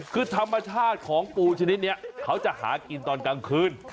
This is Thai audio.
คือธรรมชาติของปูชนิดนี้เขาจะหากินตอนกลางคืน